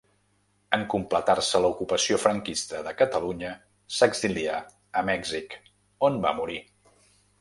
En completar-se l'ocupació franquista de Catalunya s'exilià a Mèxic, on va morir.